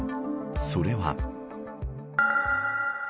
それは。